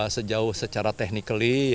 sejauh secara teknik